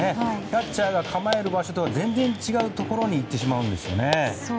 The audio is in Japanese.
キャッチャーが構える場所とは全然違うところに行ってしまうんですよね。